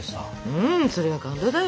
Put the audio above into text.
うんそれは感動だよ！